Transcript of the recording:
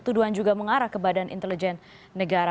tuduhan juga mengarah ke badan intelijen negara